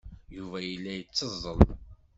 Yuba yella yetteẓẓel.